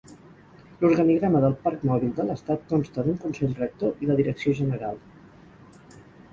L'organigrama del Parc Mòbil de l'Estat consta d'un Consell Rector i la Direcció general.